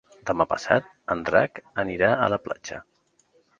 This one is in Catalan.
Demà passat en Drac anirà a la platja.